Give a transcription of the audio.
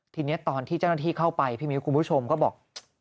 ทีนี้ตอนที่เจ้าหน้าที่เข้าไปพี่มิ้วคุณผู้ชมก็บอก